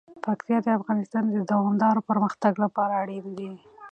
پکتیکا د افغانستان د دوامداره پرمختګ لپاره اړین دي.